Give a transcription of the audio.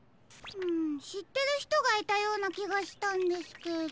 んしってるひとがいたようなきがしたんですけど。